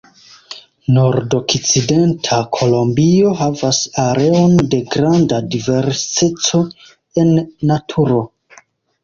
Nordokcidenta Kolombio havas areon de granda diverseco en naturo.